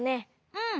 うん。